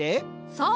そう！